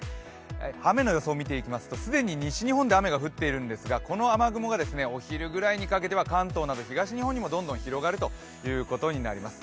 雨の予想を見ていきますと既に西日本で雨が降っているんですが、この雨雲がお昼ぐらいにかけては関東など東日本にも、どんどん広がるということになります。